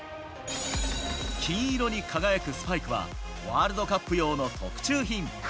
金色に輝くスパイクは、ワールドカップ用の特注品。